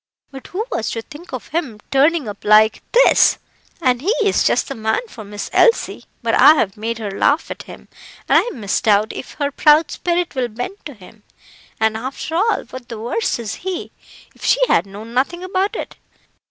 But who was to think of him turning up like this? And he's just the man for Miss Elsie; but I have made her laugh at him, and I misdoubt if her proud spirit will bend to him. And after all, what the worse is he, if she had known nothing about it.